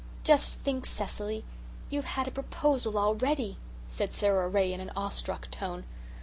"Just think, Cecily, you've had a proposal already," said Sara Ray in an awe struck tone.